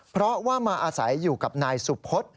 เพราะว่ามาอาศัยอยู่กับนายสุพฤษ